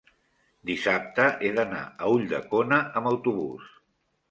dissabte he d'anar a Ulldecona amb autobús.